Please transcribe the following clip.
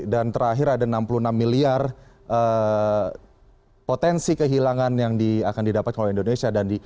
dan terakhir ada enam puluh enam miliar potensi kehilangan yang akan didapat oleh indonesia